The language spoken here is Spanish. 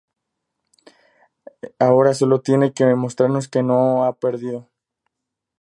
Ahora solo tiene que mostrarnos que no la ha perdido.